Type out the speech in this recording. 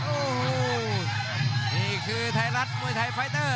โอ้โหนี่คือไทยรัฐมวยไทยไฟเตอร์